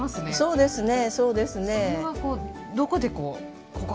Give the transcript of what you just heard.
そうですね。